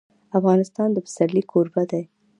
افغانستان د پسرلی کوربه دی.